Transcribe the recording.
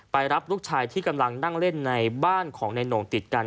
รับลูกชายที่กำลังนั่งเล่นในบ้านของในโหน่งติดกัน